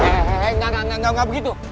he he he enggak enggak enggak begitu